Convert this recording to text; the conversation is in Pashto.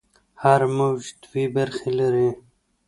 هر موج دوې برخې لري.